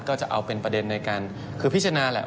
ก็จะเอาเป็นประเด็นในการคือพิจารณาแหละ